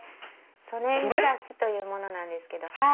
ソネングラスというものなんです。